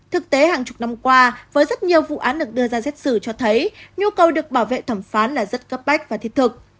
thực tế hàng chục năm qua với rất nhiều vụ án được đưa ra xét xử cho thấy nhu cầu được bảo vệ thẩm phán là rất cấp bách và thiết thực